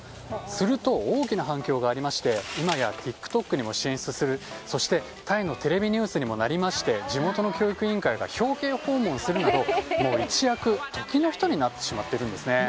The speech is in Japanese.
すると大きな反響がありまして今やＴｉｋＴｏｋにも進出するそしてタイのテレビニュースにもなりまして地元の教育委員会が表敬訪問をするなど一躍、時の人になってしまっているんですね。